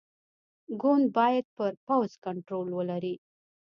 ګوند باید پر پوځ کنټرول ولري.